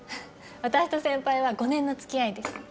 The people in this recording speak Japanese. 私と先輩は５年の付き合いです。